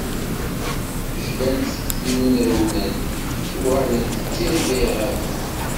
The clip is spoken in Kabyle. Jlant tektiwin rewlent, uɣalent d tirga iɣaben.